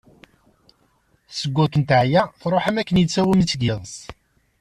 Seg wakken teɛya, truḥ am wakken yettsawam-itt-id yiḍeṣ.